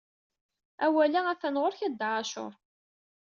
Awal a-t-an ɣur-k a Dda ɛacur.